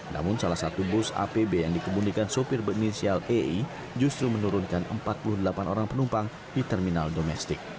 namun salah satu bus apb yang dikemudikan sopir berinisial ei justru menurunkan empat puluh delapan orang penumpang di terminal domestik